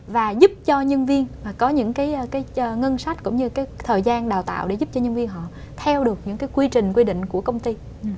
và giúp cho nhân viên có những cái ngân sách cũng như cái thời gian đào tạo để giúp cho nhân viên họ theo được những cái quy trình quy định của công ty